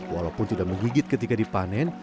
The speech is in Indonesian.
walaupun tidak menggigit ketika dipanen